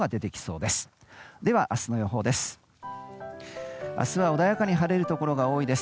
では、明日の予報です。